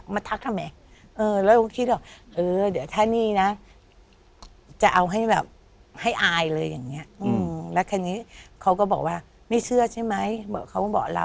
มาทักทำไมเราก็คิดล่ะ